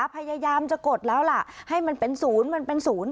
พยายามจะกดแล้วล่ะให้มันเป็นศูนย์มันเป็นศูนย์